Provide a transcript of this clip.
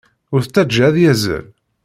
Ur t-ttajja ad yazzel.